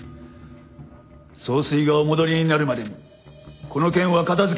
総帥がお戻りになるまでにこの件は片付ける。